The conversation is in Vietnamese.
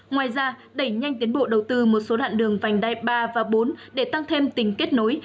ngoài ra đẩy nhanh tiến bộ đầu tư một số đoạn đường vành đai ba và bốn để tăng thêm tính kết nối